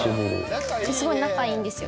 すごい仲いいんですよ